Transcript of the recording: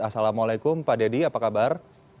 assalamualaikum pak deddy apa kabar